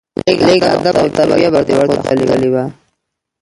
لېږ ادب او تربيه به دې ورته ښودلى وه.